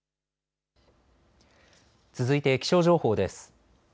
続いて気象情報です。